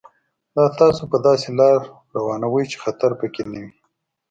دا تاسو په داسې لار روانوي چې خطر پکې نه وي.